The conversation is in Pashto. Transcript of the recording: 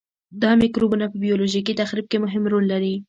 دا مکروبونه په بیولوژیکي تخریب کې مهم رول لري.